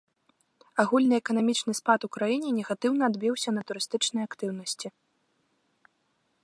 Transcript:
Агульны эканамічны спад у краіне негатыўна адбіўся на турыстычнай актыўнасці.